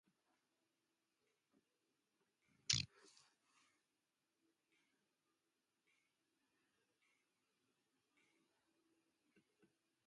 Accelerated aging is also used in library and archival preservation science.